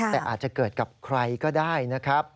แต่อาจจะเกิดกับใครก็ได้นะครับ